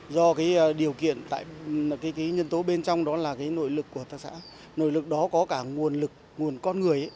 do điều kiện nhân tố bên trong đó là nội lực của các hợp tác xã nội lực đó có cả nguồn lực nguồn con người